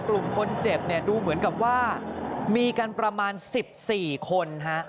กลุ่มคนเจ็บเนี่ยดูเหมือนกับว่ามีกันประมาณ๑๔คนฮะ